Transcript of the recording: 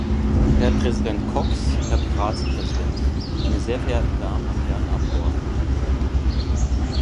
Herr Präsident Cox, Herr Ratspräsident, meine sehr verehrten Damen und Herren Abgeordneten!